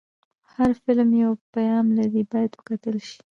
هر فلم یو پیغام لري، باید وکتل شي.